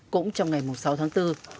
cũng trong ngày sáu tháng bốn